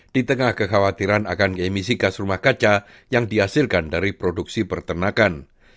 di tengah kekhawatiran akan keemisi gas rumah kaca yang dihasilkan dari produksi pertenakan